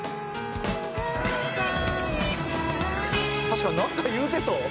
「確かになんか言うてそう。